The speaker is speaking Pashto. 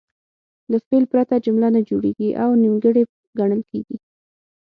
له فعل پرته جمله نه جوړیږي او نیمګړې ګڼل کیږي.